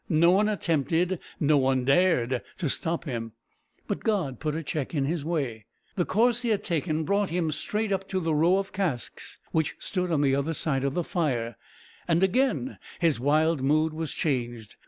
No one attempted, no one dared, to stop him, but God put a check in his way. The course he had taken brought him straight up to the row of casks which stood on the other side of the fire, and again his wild mood was changed.